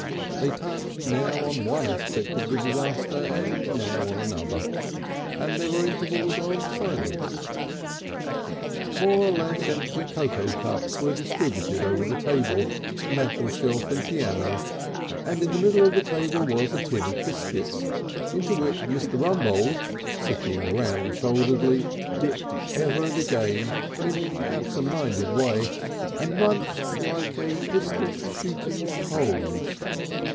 They touched now on one aspect of the disaster and now on another, and there were intervals of silence. More or less empty cocoa cups were distributed over the table, mantelshelf and piano, and in the middle of the table was a tin of biscuits, into which Mr. Rumbold, sitting round shoulderedly, dipped ever and again in an absent minded way, and munched like a distant shooting of coals.